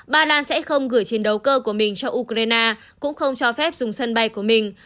ba lan sẽ không gửi chiến đấu cơ của mình cho ukraine cũng không cho phép dùng sân bay của mình